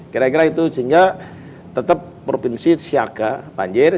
kira kira itu sehingga tetap provinsi siaga banjir